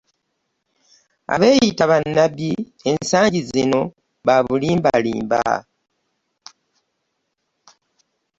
abeeyita ba nabbi ensangi zino ba bulimbalimba.